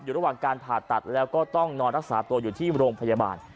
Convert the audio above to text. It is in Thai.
ระหว่างการผ่าตัดแล้วก็ต้องนอนรักษาตัวอยู่ที่โรงพยาบาล